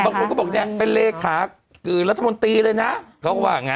บางคนก็บอกนี่เป็นเลขจากรตรมนตรีเลยนะ